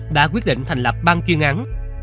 đã quyết định thành lập ban chuyên án